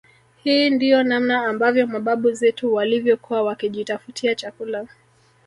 Hii ndio namna ambavyo mababu zetu walivyokuwa wakijitafutia chakula